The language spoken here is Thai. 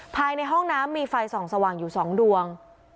ภายในห้องน้ำมีไฟส่องสว่างอยู่๒ดวง